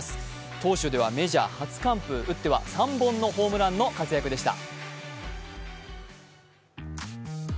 投手ではメジャー初完封打っては３本のホームランの活躍でした。